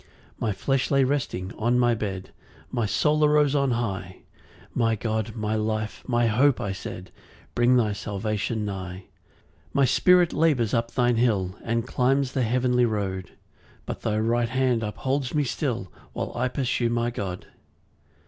2 My flesh lay resting on my bed, My soul arose on high; "My God, my life, my hope," I said, "Bring thy salvation nigh." 3 My spirit labours up thine hill, And climbs the heavenly road; But thy right hand upholds me still, While I pursue my God.